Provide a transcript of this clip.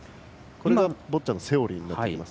これがボッチャのセオリーです。